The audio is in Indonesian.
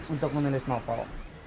untuk menulis novel